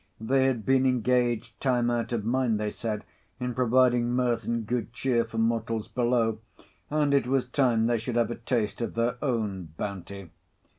They had been engaged time out of mind, they said, in providing mirth and good cheer for mortals below; and it was time they should have a taste of their own bounty.